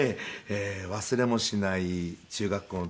「忘れもしない中学校の時の」